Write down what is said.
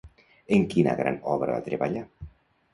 En quina gran obra va treballar?